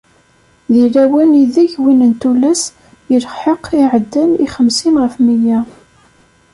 Di lawan ideg win n tullas yelḥeq iεeddan i xemsin ɣef mya.